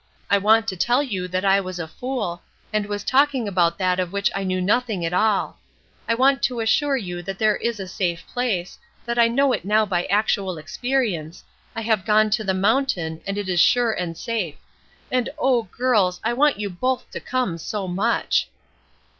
I want to tell you that I was a fool; and was talking about that of which I knew nothing at all. I want to assure you that there is a safe place, that I know it now by actual experience, I have gone to the mountain and it is sure and safe; and, oh, girls, I want you both to come so much."